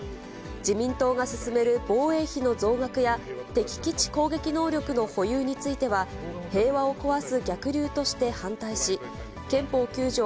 自民党が進める防衛費の増額や敵基地攻撃能力の保有については、平和を壊す逆流として反対し、憲法９条